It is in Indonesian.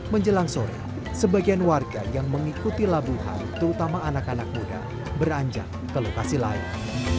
menjelang sore sebagian warga yang mengikuti labuhan terutama anak anak muda beranjak ke lokasi lain